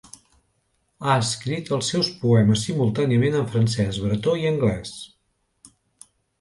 Ha escrit els seus poemes simultàniament en francès, bretó i anglès.